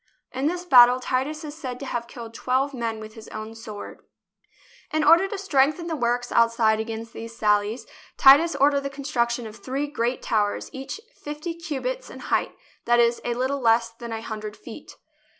In this battle Titus is said to have killed twelve men with his own sword. JERUSALEM In order to strengthen the works outside against these sallies Titus ordered the construction of three great towers, each fifty cubits in height — that is, a little less than a hundred feet.